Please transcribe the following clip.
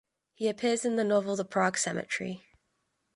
He appears in the novel The Prague Cemetery.